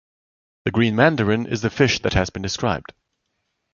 The green mandarin is the fish that has been described.